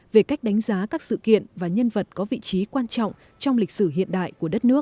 về cách đánh giá các sự kiện và nhân vật có vị trí quan trọng trong lịch sử hiện đại của đất nước